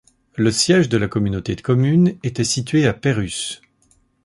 Le siège de la communauté de communes était situé à Peyrus.